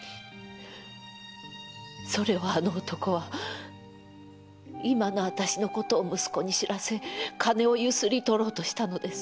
それをあの男は今のあたしのことを息子に知らせ金を強請りとろうとしたのです。